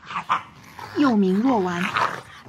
幼名若丸。